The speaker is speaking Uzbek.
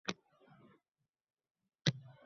Hech biridan shirin jumlalarni topolmadim